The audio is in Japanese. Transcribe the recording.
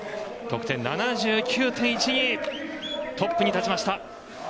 得点は７９．１２でトップに立ちました。